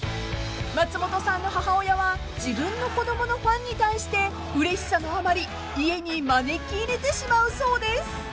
［松本さんの母親は自分の子供のファンに対してうれしさのあまり家に招き入れてしまうそうです］